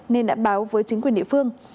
nên đã báo với chính quyền địa phương